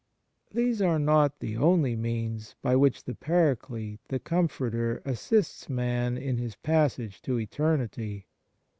These are not the only means by which the Paraclete, the Comforter, assists man in his passage to eternity.